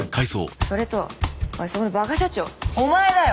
それとおいそこのバカ社長お前だよ